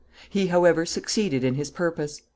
He, however, succeeded in his purpose.